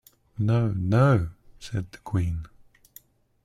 ‘No, no!’ said the Queen.